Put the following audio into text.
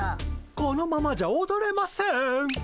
このままじゃおどれません。